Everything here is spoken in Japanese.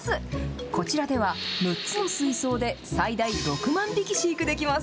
こちらでは６つの水槽で最大６万匹飼育できます。